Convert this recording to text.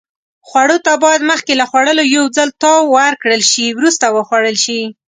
خوړو ته باید مخکې له خوړلو یو ځل تاو ورکړل شي. وروسته وخوړل شي.